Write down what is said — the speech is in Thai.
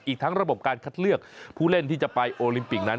อีกทั้งระบบการคัดเลือกผู้เล่นที่จะไปโอลิมปิกนั้น